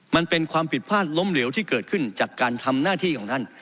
มันเป็นความผิดพลาดล้มเหลวที่เกิดขึ้นจากการทำหน้าที่ของท่าน